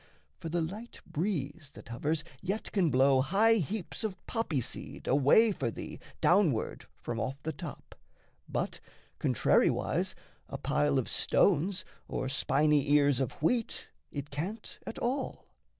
For the light breeze that hovers yet can blow High heaps of poppy seed away for thee Downward from off the top; but, contrariwise, A pile of stones or spiny ears of wheat It can't at all.